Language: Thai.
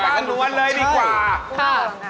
ป้านวนเลยดีกว่า